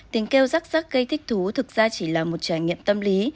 tình kêu rắc rắc gây thích thú thực ra chỉ là một trải nghiệm tâm lý